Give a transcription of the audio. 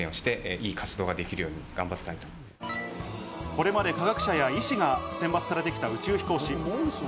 これまで科学者や医師が選抜されてきた宇宙飛行士。